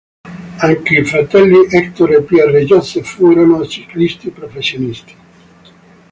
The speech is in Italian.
Anche i fratelli Hector e Pierre-Joseph furono ciclisti professionisti.